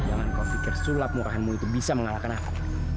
jangan kau pikir sulap murahanmu itu bisa mengalahkan aku